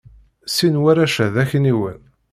Sin warrac-a d akniwen.